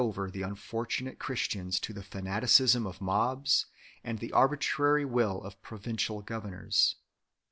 over the unfortunate Christians to the fanaticism of mobs and the arbitrary will of provincial governors.